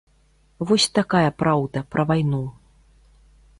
Вось такая праўда пра вайну.